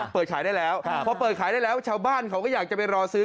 เปิดขายได้แล้วพอเปิดขายได้แล้วชาวบ้านเขาก็อยากจะไปรอซื้อ